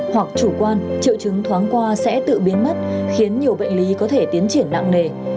hoặc chủ quan triệu chứng thoáng qua sẽ tự biến mất khiến nhiều bệnh lý có thể tiến triển nặng nề